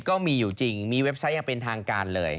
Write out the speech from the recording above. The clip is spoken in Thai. ก็มีอยู่จริงมีเว็บไซต์อย่างเป็นทางการเลย